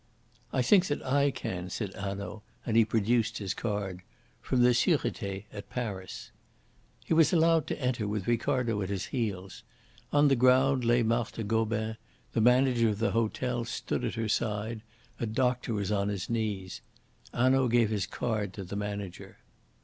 "I think that I can," said Hanaud, and he produced his card. "From the Surete at Paris." He was allowed to enter, with Ricardo at his heels. On the ground lay Marthe Gobin; the manager of the hotel stood at her side; a doctor was on his knees. Hanaud gave his card to the manager.